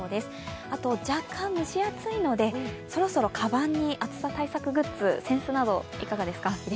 若干蒸し暑いのでそろそろかばんに暑さ対策ぐっず、扇子などいかがですか？